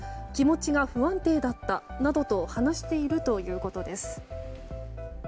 気持ちが不安定だったなどと話しているということです。